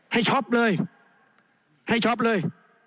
ช็อปเลยให้ช็อปเลย